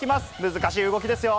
難しい動きですよ。